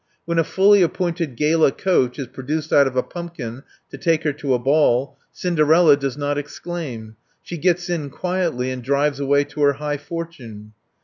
When a fully appointed gala coach is produced out of a pumpkin to take her to a ball, Cinderella does not exclaim. She gets in quietly and drives away to her high fortune.